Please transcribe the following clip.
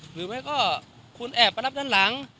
หรือไม่ก็คุณแอบมารับด้านหลัง